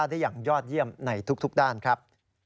ได้อย่างยอดเยี่ยมในทุกด้านครับ